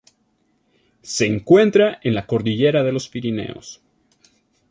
Se encuentra en la cordillera de los Pirineos.